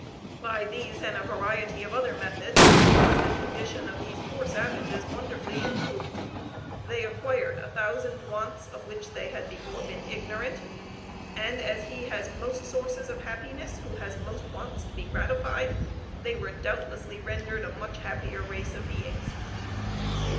By these and a variety of other methods was the condition of these poor savages wonderfully improved; they acquired a thousand wants of which they had before been ignorant, and as he has most sources of happiness who has most wants to be gratified, they were doubtlessly rendered a much happier race of beings.